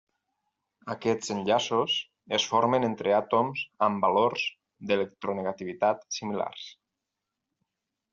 Aquests enllaços es formen entre àtoms amb valors d'electronegativitat similars.